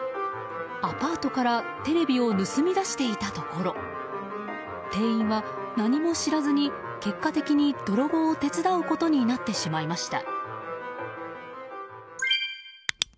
アパートからテレビを盗み出していたところ店員は何も知らずに、結果的に泥棒を手伝うことになってしまいました。